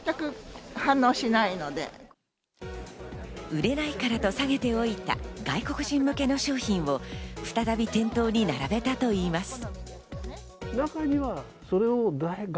売れないからと下げておいた外国人向けの商品を再び店頭に並べたといいます。